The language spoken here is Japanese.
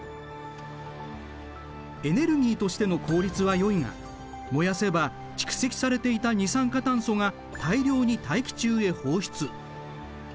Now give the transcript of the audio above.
エネルギーとしての効率はよいが燃やせば蓄積されていた二酸化炭素が大量に大気中へ放出。